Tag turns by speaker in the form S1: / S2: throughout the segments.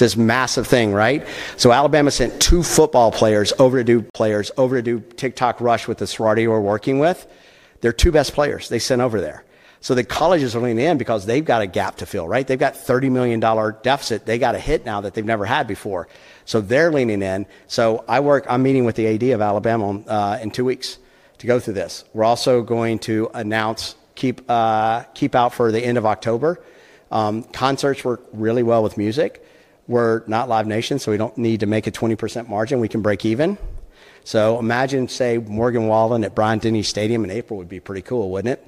S1: It's this massive thing, right? Alabama sent two football players over to do TikTok Rush with the sorority we're working with. They're two best players they sent over there. The colleges are leaning in because they've got a gap to fill, right? They've got a $30 million deficit. They got a hit now that they've never had before. They're leaning in. I work, I'm meeting with the AD of Alabama in two weeks to go through this. We're also going to announce, keep out for the end of October. Concerts work really well with music. We're not Live Nation, so we don't need to make a 20% margin. We can break even. Imagine, say, Morgan Wallen at Bryant-Denny Stadium in April would be pretty cool, wouldn't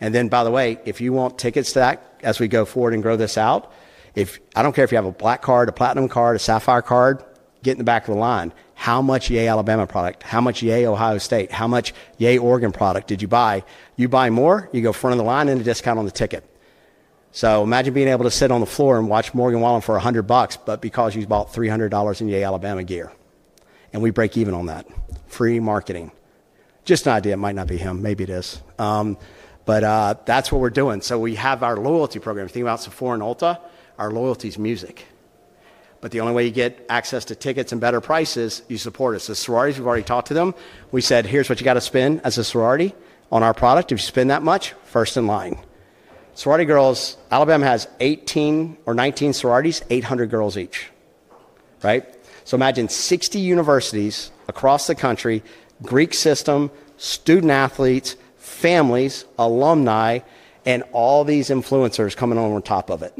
S1: it? By the way, if you want tickets to that as we go forward and grow this out, I don't care if you have a Black Card, a Platinum Card, a Sapphire Card, get in the back of the line. How much Yay Alabama product? How much Yay Ohio State? How much Yay Oregon product did you buy? You buy more, you go front of the line and a discount on the ticket. Imagine being able to sit on the floor and watch Morgan Wallen for $100, but because you bought $300 in Yay Alabama gear. We break even on that. Free marketing. Just an idea. It might not be him. Maybe it is, but that's what we're doing. We have our loyalty programs. Think about Sephora and Ulta. Our loyalty is music. The only way you get access to tickets and better prices, you support us. The sororities, we've already talked to them. We said, here's what you got to spend as a sorority on our product. If you spend that much, first in line. Sorority girls, Alabama has 18 or 19 sororities, 800 girls each. Right? Imagine 60 universities across the country, Greek system, student athletes, families, alumni, and all these influencers coming on on top of it.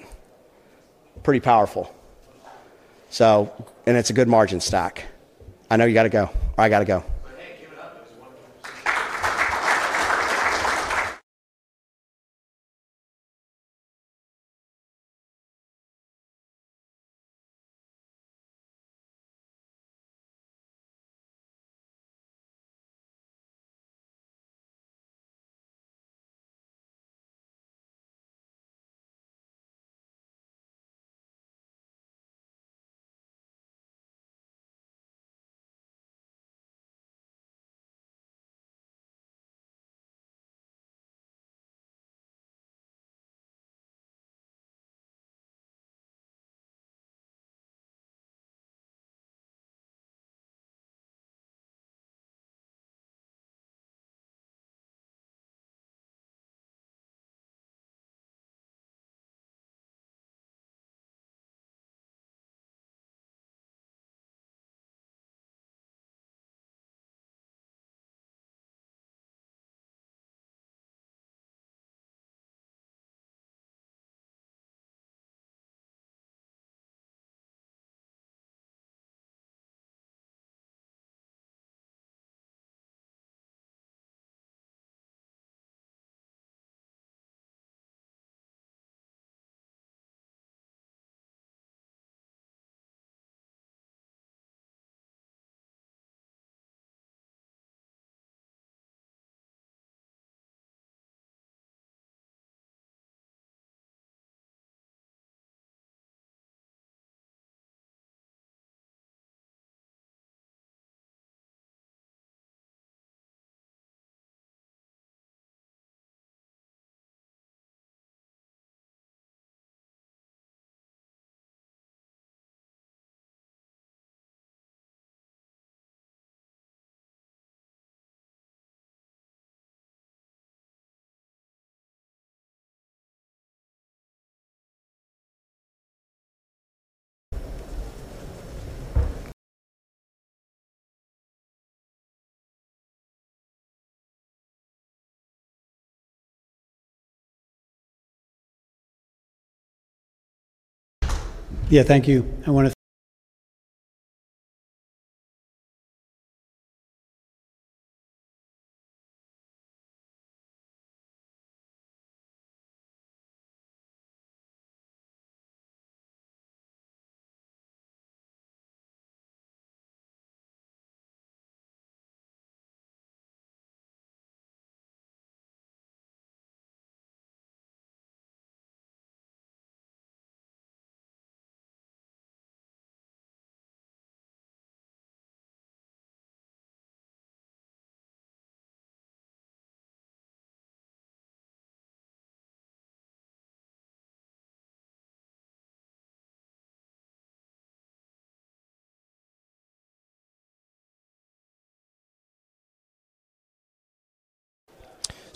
S1: Pretty powerful. It's a good margin stack. I know you got to go. I got to go.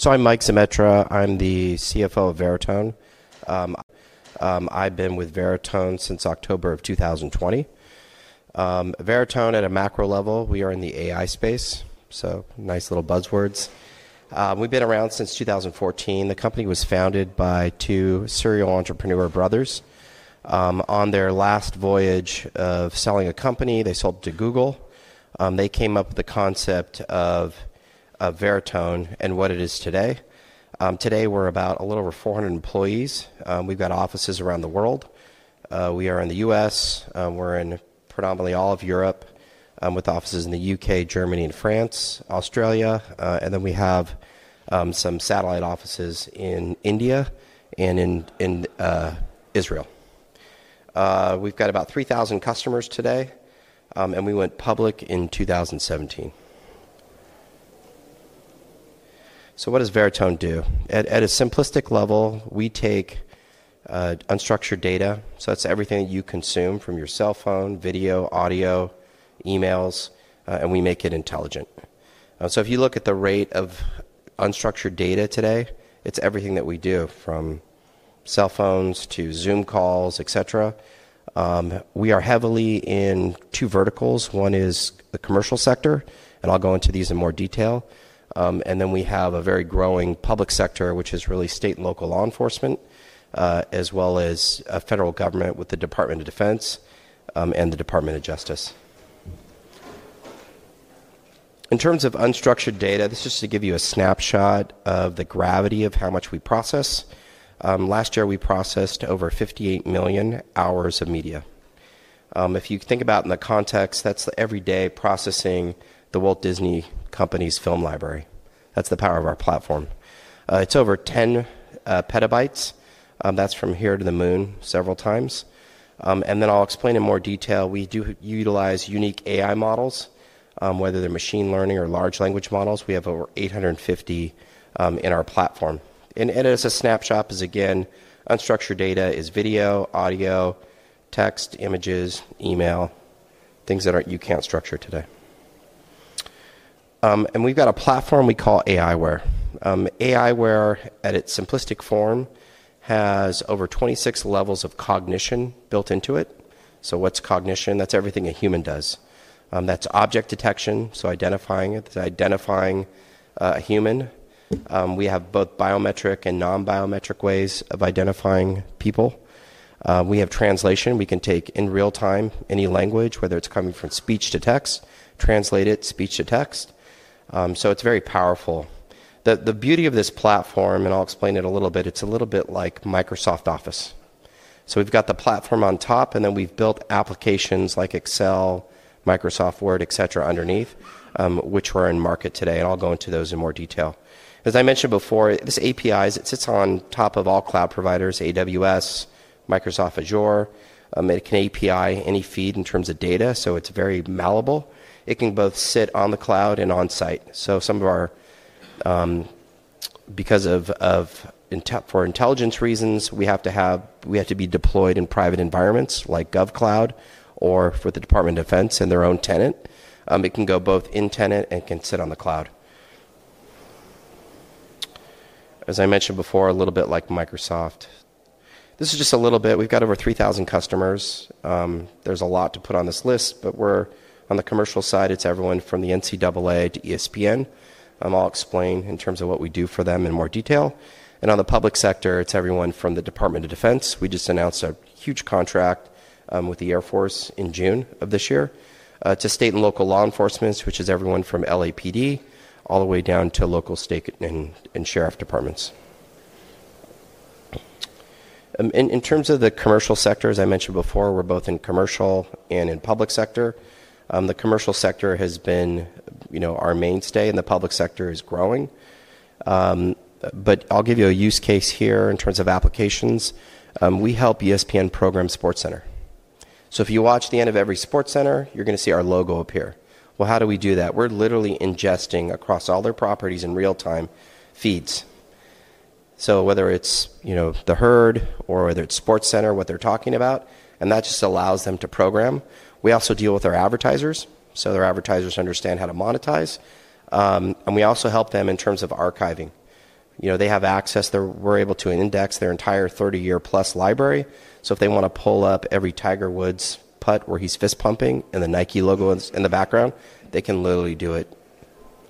S2: So I'm, Mike Zemetra. I'm the CFO of Veritone. I've been with Veritone since October of 2020. Veritone at a macro level, we are in the AI space. Nice little buzzwords. We've been around since 2014. The company was founded by two serial entrepreneur brothers. On their last voyage of selling a company, they sold to Google. They came up with the concept of Veritone and what it is today. Today we're about a little over 400 employees. We've got offices around the world. We are in the U.S. We're in predominantly all of Europe, with offices in the U.K., Germany, and France, Australia, and then we have some satellite offices in India and in Israel. We've got about 3,000 customers today, and we went public in 2017. What does Veritone do? At a simplistic level, we take unstructured data. That's everything that you consume from your cell phone, video, audio, emails, and we make it intelligent. If you look at the rate of unstructured data today, it's everything that we do from cell phones to Zoom calls, et cetera. We are heavily in two verticals. One is the commercial sector, and I'll go into these in more detail. We have a very growing public sector, which is really state and local law enforcement, as well as federal government with the Department of Defense and the Department of Justice. In terms of unstructured data, this is just to give you a snapshot of the gravity of how much we process. Last year we processed over 58 million hours of media. If you think about it in the context, that's every day processing the Walt Disney Company's film library. That's the power of our platform. It's over 10 PB. That's from here to the moon several times. I'll explain in more detail. We do utilize unique AI models, whether they're machine learning or large language models. We have over 850 in our platform. As a snapshot, again, unstructured data is video, audio, text, images, email, things that you can't structure today. We've got a platform we call aiWARE. aiWARE, at its simplistic form, has over 26 levels of cognition built into it. What's cognition? That's everything a human does. That's object detection, so identifying it, identifying a human. We have both biometric and non-biometric ways of identifying people. We have translation. We can take in real time any language, whether it's coming from speech to text, translate it speech to text. It's very powerful. The beauty of this platform, and I'll explain it a little bit, it's a little bit like Microsoft Office. We've got the platform on top, and then we've built applications like Excel, Microsoft Word, et cetera, underneath, which we're in market today, and I'll go into those in more detail. As I mentioned before, this API, it sits on top of all cloud providers, AWS, Microsoft Azure. It can API any feed in terms of data, so it's very malleable. It can both sit on the cloud and on site. Some of our, because of intel for intelligence reasons, we have to be deployed in private environments like GovCloud or for the Department of Defense and their own tenant. It can go both in tenant and can sit on the cloud. As I mentioned before, a little bit like Microsoft. This is just a little bit. We've got over 3,000 customers. There's a lot to put on this list, but we're on the commercial side, it's everyone from the NCAA to ESPN. I'll explain in terms of what we do for them in more detail. On the public sector, it's everyone from the Department of Defense. We just announced a huge contract with the Air Force in June of this year, to state and local law enforcements, which is everyone from LAPD all the way down to local state and sheriff departments. In terms of the commercial sector, as I mentioned before, we're both in commercial and in public sector. The commercial sector has been, you know, our mainstay, and the public sector is growing. I'll give you a use case here in terms of applications. We help ESPN program SportsCenter. If you watch the end of every SportsCenter, you're going to see our logo appear. How do we do that? We're literally ingesting across all their properties in real time feeds. Whether it's, you know, the Herd or whether it's SportsCenter, what they're talking about, and that just allows them to program. We also deal with our advertisers, so their advertisers understand how to monetize. We also help them in terms of archiving. They have access, we're able to index their entire 30+ year library. If they want to pull up every Tiger Woods putt where he's fist pumping and the Nike logo in the background, they can literally do it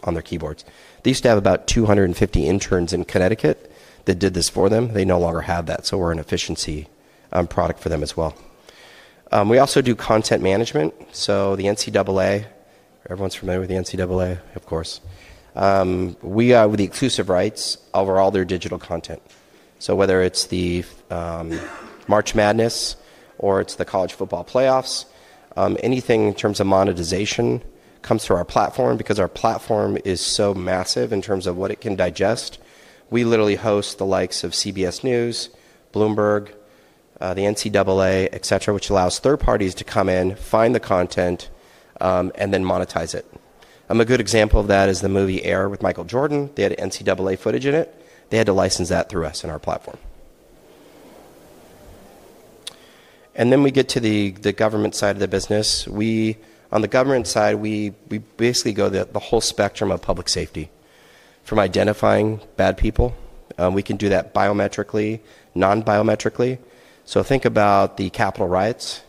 S2: on their keyboards. They used to have about 250 interns in Connecticut that did this for them. They no longer have that. We're an efficiency product for them as well. We also do content management. The NCAA, everyone's familiar with the NCAA, of course. We are with the exclusive rights over all their digital content. So whether it's the March Madness or it's the college football playoffs, anything in terms of monetization comes through our platform because our platform is so massive in terms of what it can digest. We literally host the likes of CBS News, Bloomberg, the NCAA, et cetera, which allows third parties to come in, find the content, and then monetize it. A good example of that is the movie Air with Michael Jordan. They had NCAA footage in it. They had to license that through us in our platform. Then we get to the government side of the business. On the government side, we basically go the whole spectrum of public safety. From identifying bad people, we can do that biometrically, non-biometrically. Think about the Capitol riots,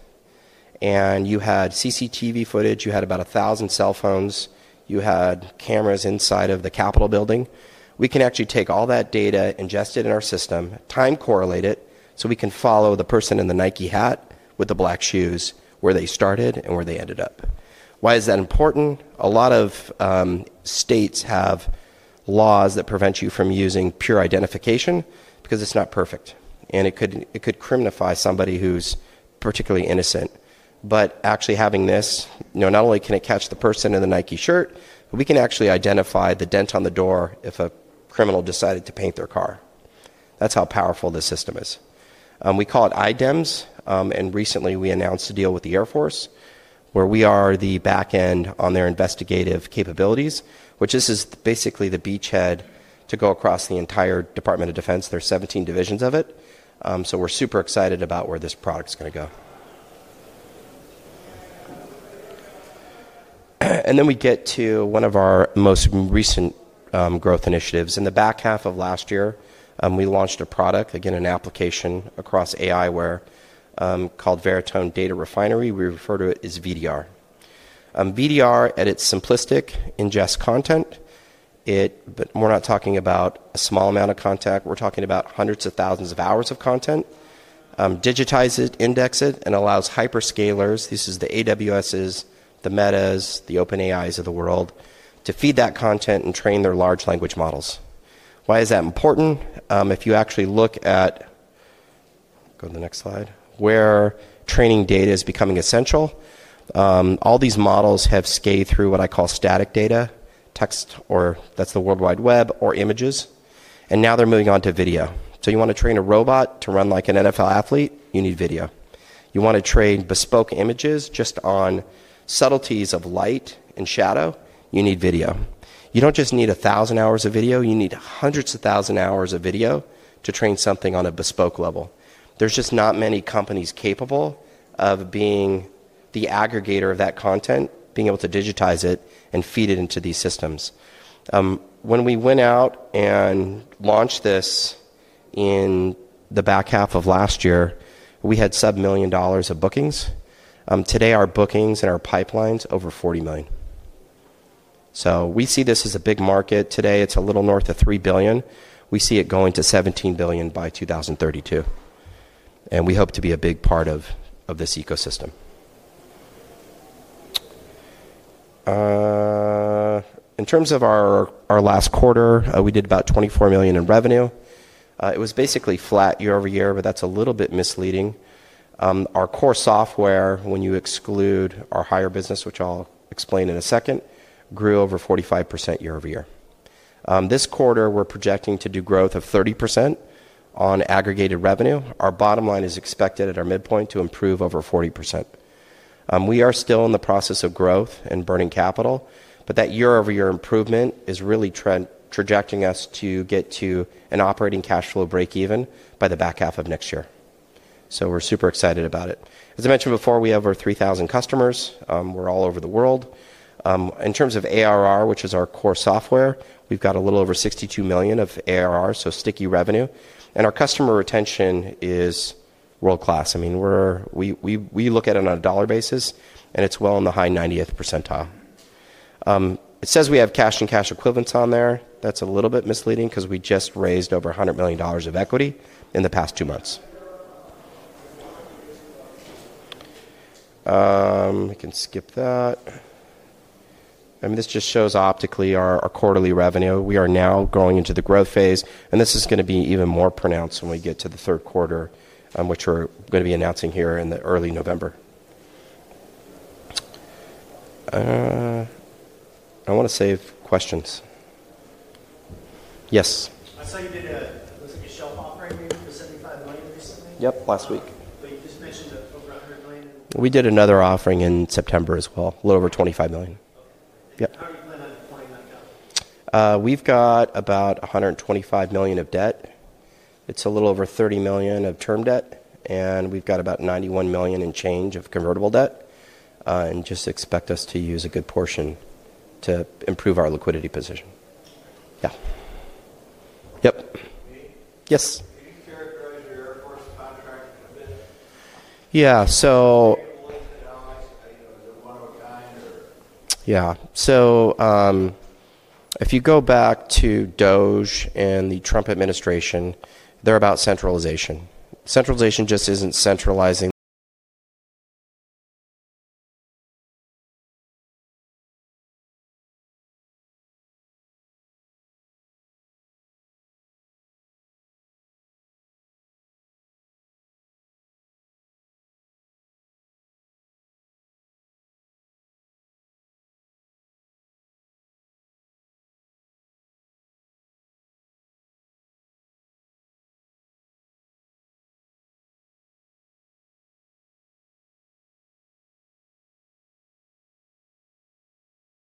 S2: and you had CCTV footage, you had about 1,000 cell phones, you had cameras inside of the Capitol building. We can actually take all that data, ingest it in our system, time correlate it, so we can follow the person in the Nike hat with the black shoes, where they started and where they ended up. Why is that important? A lot of states have laws that prevent you from using pure identification because it's not perfect. It could criminalize somebody who's particularly innocent. Actually having this, you know, not only can it catch the person in the Nike shirt, but we can actually identify the dent on the door if a criminal decided to paint their car. That's how powerful this system is. We call it iDEMS. Recently we announced a deal with the Air Force, where we are the backend on their investigative capabilities, which is basically the beachhead to go across the entire Department of Defense. There are 17 divisions of it. We are super excited about where this product's going to go. Then we get to one of our most recent growth initiatives. In the back half of last year, we launched a product, again, an application across aiWARE, called Veritone Data Refinery. We refer to it as VDR. VDR at its simplistic ingest content, but we're not talking about a small amount of content. We're talking about hundreds of thousands of hours of content. Digitize it, index it, and allows hyperscalers, this is the AWSs, the Metas, the OpenAIs of the world, to feed that content and train their large language models. Why is that important? If you actually look at, go to the next slide, where training data is becoming essential. All these models have scaled through what I call static data, text, or that's the World Wide Web, or images. Now they're moving on to video. You want to train a robot to run like an NFL athlete, you need video. You want to train bespoke images just on subtleties of light and shadow, you need video. You don't just need a thousand hours of video, you need hundreds of thousands of hours of video to train something on a bespoke level. There's just not many companies capable of being the aggregator of that content, being able to digitize it and feed it into these systems. When we went out and launched this in the back half of last year, we had sub $1 million of bookings. Today our bookings and our pipeline's over $40 million. We see this as a big market. Today it's a little north of $3 billion. We see it going to $17 billion by 2032. We hope to be a big part of this ecosystem. In terms of our last quarter, we did about $24 million in revenue. It was basically flat year over year, but that's a little bit misleading. Our core software, when you exclude our Hire business, which I'll explain in a second, grew over 45% year-over-year. This quarter we're projecting to do growth of 30% on aggregated revenue. Our bottom line is expected at our midpoint to improve over 40%. We are still in the process of growth and burning capital, but that year over year improvement is really trajecting us to get to an operating cash flow break even by the back half of next year. We're super excited about it. As I mentioned before, we have over 3,000 customers. We're all over the world. In terms of ARR, which is our core software, we've got a little over $62 million of ARR, so sticky revenue. Our customer retention is world class. I mean, we look at it on a dollar basis, and it's well in the high 90th percentile. It says we have cash and cash equivalents on there. That's a little bit misleading because we just raised over $100 million of equity in the past two months. We can skip that. I mean, this just shows optically our quarterly revenue. We are now going into the growth phase, and this is going to be even more pronounced when we get to the third quarter, which we're going to be announcing here in early November. I want to save questions. Yes. I saw you did a, it looks like a shelf offering maybe for $75 million recently. Yep, last week. You just mentioned over $100 million in. We did another offering in September as well, a little over $25 million. Okay. Yep. How are you planning on reporting that down? We've got about $125 million of debt. It's a little over $30 million of term debt, and we've got about $91 million in change of convertible debt. Just expect us to use a good portion to improve our liquidity position. Yeah. Yep. Me. Yes. Can you characterize your Air Force contract a little bit? Yeah, so. Do you have a list of allies? You know, is it one of a kind or? Yeah, if you go back to Doge and the Trump administration, they're about centralization. Centralization just isn't centralizing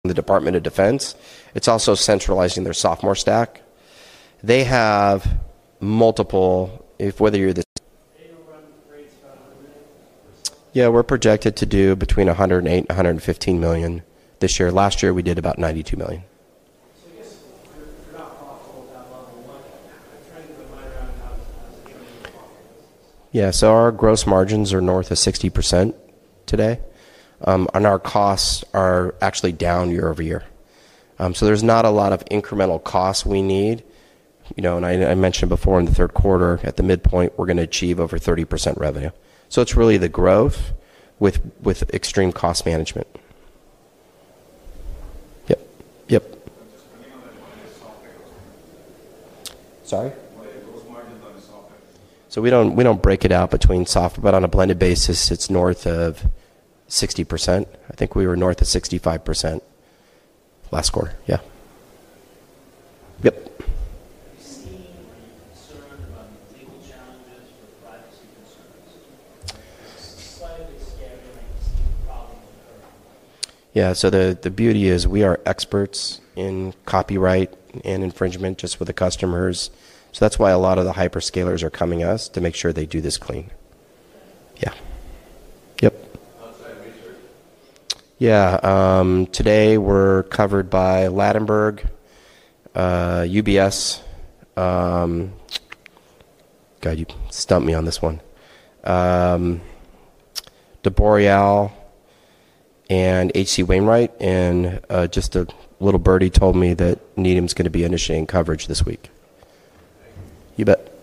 S2: the whole thing. It's centralizing the Department of Defense. It's also centralizing their software stack. They have multiple, if whether you're the. Are you going to run rates about 100? Yeah, we're projected to do between $108 million and $115 million this year. Last year we did about $92 million. I guess you're not profitable at that level, but I'm trying to get a line around how's it turning into a profitable business. Yeah, our gross margins are north of 60% today, and our costs are actually down year-over-year. There's not a lot of incremental costs we need, you know, and I mentioned before in the third quarter, at the midpoint, we're going to achieve over 30% revenue. It's really the growth with extreme cost management. Yep, yep. What's the blending of the margins, software? Sorry? What's the gross margins on the software? We don't break it out between software, but on a blended basis, it's north of 60%. I think we were north of 65% last quarter, yeah. Yep. We've seen concern about legal challenges for privacy concerns. It's slightly scary when you see the problems occurring. Yeah, the beauty is we are experts in copyright and infringement just for the customers. That's why a lot of the hyperscalers are coming to us to make sure they do this clean. Yeah. Yep. Outside research? Yeah, today we're covered by Ladenburg, UBS, God, you stumped me on this one. D. Boral and H.C. Wainwright, and just a little birdie told me that Needham's going to be initiating coverage this week. You bet. Yep. You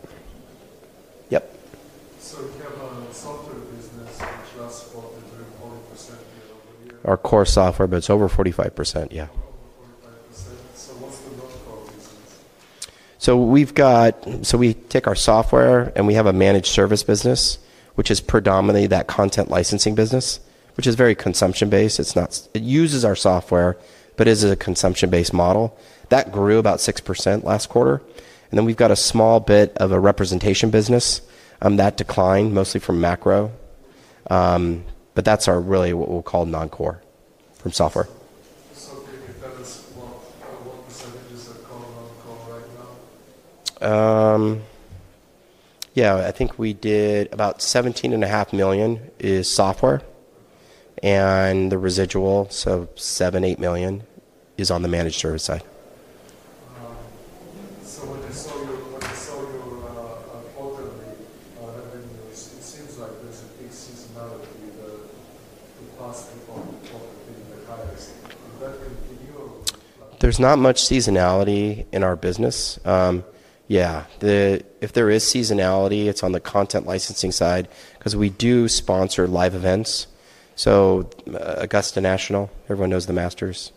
S2: have a software business, which last quarter grew 40% year-over-year. Our core software, but it's over 45%, yeah. Over 45%. What's the workflow business? We take our software and we have a managed service business, which is predominantly that content licensing business, which is very consumption-based. It's not, it uses our software, but it is a consumption-based model. That grew about 6% last quarter. Then we've got a small bit of a representation business that declined mostly from macro, but that's really what we'll call non-core from software. What percentages are called non-core right now? Yeah, I think we did about $17.5 million in software, and the residual, so $7 million, $8 million, is on the managed service side. When I saw your quarterly revenues, it seems like there's a big seasonality, with the cost per quarter being the highest. Would that continue? There's not much seasonality in our business. If there is seasonality, it's on the content licensing side because we do sponsor live events. So Augusta National, everyone knows the Masters.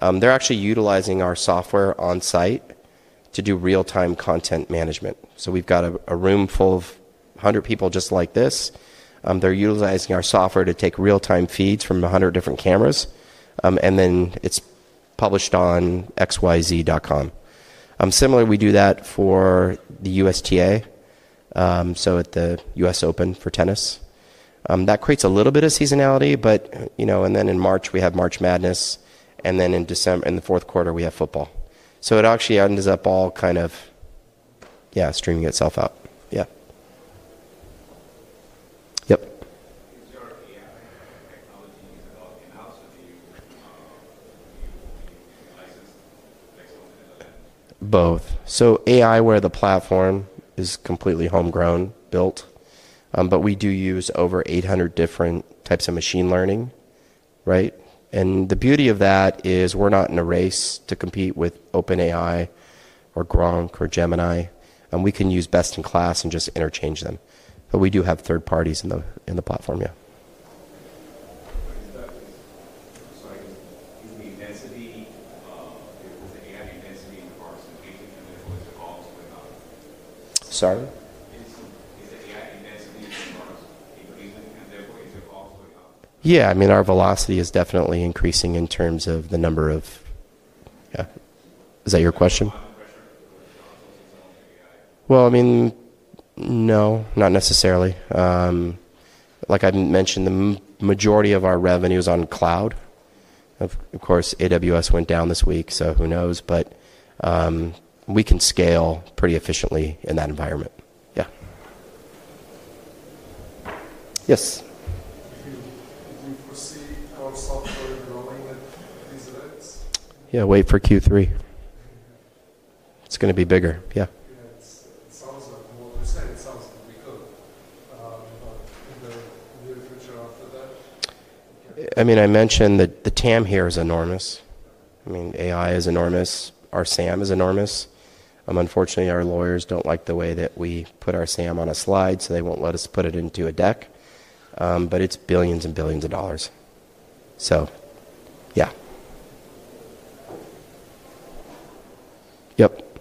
S2: They're actually utilizing our software on site to do real-time content management. We've got a room full of 100 people just like this. They're utilizing our software to take real-time feeds from a hundred different cameras, and then it's published on XYZ.com. Similarly, we do that for the USTA, so at the U.S. Open for tennis. That creates a little bit of seasonality, but, you know, and then in March we have March Madness, and then in December, in the fourth quarter, we have football. It actually ends up all kind of streaming itself out. Yeah. Yep. Is your AI technology, is it all in-house or do you license? aiWARE, the platform, is completely homegrown built. We do use over 800 different types of machine learning. The beauty of that is we're not in a race to compete with OpenAI or Gemini. We can use best in class and just interchange them. We do have third parties in the platform, yeah. Sorry, can you give me density? Is the AI density in regards to engagement, and therefore is it also enough? Sorry? Is the AI density in regards to engagement, and therefore is it also enough? Yeah, I mean, our velocity is definitely increasing in terms of the number of. Is that your question? Are you under pressure to go with the console system with the AI? I mean, no, not necessarily. Like I mentioned, the majority of our revenue is on cloud. Of course, AWS went down this week, so who knows, but we can scale pretty efficiently in that environment. Yes. Do you foresee our software growing at these rates? Yeah, wait for Q3. It's going to be bigger, yeah. Yeah, it sounds like, from what you're saying, it sounds like we could, but in the near future after that? I mentioned that the TAM here is enormous. AI is enormous. Our SAM is enormous. Unfortunately, our lawyers don't like the way that we put our SAM on a slide, so they won't let us put it into a deck, but it's billions and billions of dollars. Yeah. Yep.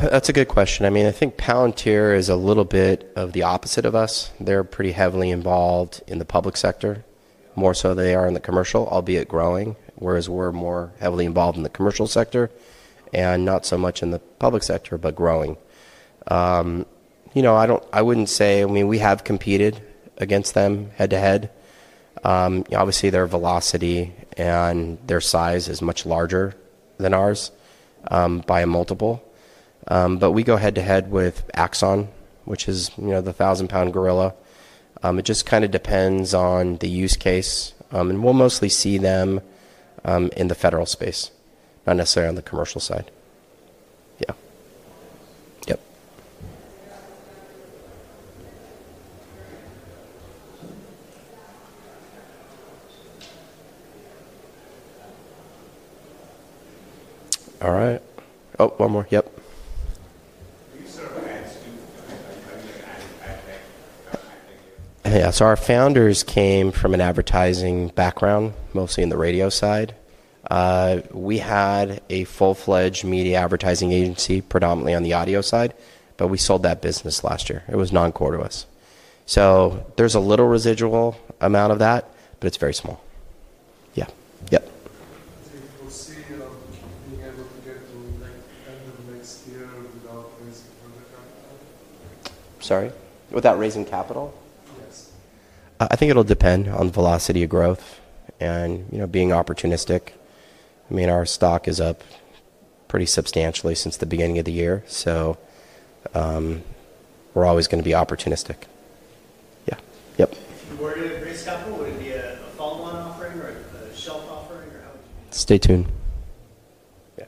S2: I'm going to vary myself. Sure. Are there any comps within Palantir that you can read about that might be a little too? That's a good question. I mean, I think Palantir is a little bit of the opposite of us. They're pretty heavily involved in the public sector, more so than they are in the commercial, albeit growing, whereas we're more heavily involved in the commercial sector and not so much in the public sector, but growing. I don't, I wouldn't say, I mean, we have competed against them head to head. Obviously, their velocity and their size is much larger than ours, by a multiple. We go head to head with Axon, which is, you know, the thousand-pound gorilla. It just kind of depends on the use case, and we'll mostly see them in the federal space, not necessarily on the commercial side. Yeah. Yep. All right. Oh, one more. Yep. Can you add to, I mean, add to the iPad? Yeah, our founders came from an advertising background, mostly in the radio side. We had a full-fledged media advertising agency, predominantly on the audio side, but we sold that business last year. It was non-core to us. There's a little residual amount of that, but it's very small. Yeah. Do you foresee being able to get to like the end of next year without raising further capital? Sorry, without raising capital? Yes. I think it'll depend on the velocity of growth and, you know, being opportunistic. I mean, our stock is up pretty substantially since the beginning of the year, so we're always going to be opportunistic. Yeah, yep. If you were to raise capital, would it be a follow-on offering or a shelf offering, or how would you do that? Stay tuned. Yeah,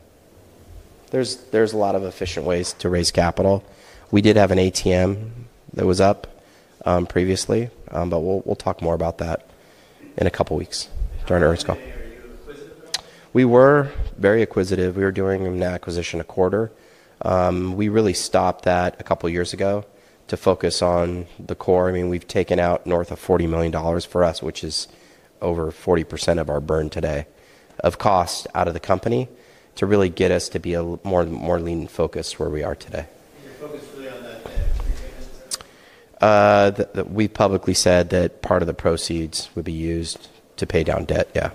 S2: there's a lot of efficient ways to raise capital. We did have an ATM that was up previously, but we'll talk more about that in a couple of weeks during Veritone's call. Are you inquisitive at all? We were very inquisitive. We were doing an acquisition a quarter. We really stopped that a couple of years ago to focus on the core. I mean, we've taken out north of $40 million for us, which is over 40% of our burn today, of cost out of the company to really get us to be more lean focused where we are today. You're focused really on that debt that you're getting? We've publicly said that part of the proceeds would be used to pay down debt, yeah.